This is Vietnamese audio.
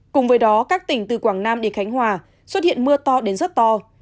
cùng với đó các tỉnh từ quảng nam đến khánh hòa xuất hiện mưa to đến rất to